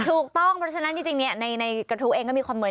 ถูกต้องเพราะฉะนั้นจริงในกระทู้เองก็มีความเมต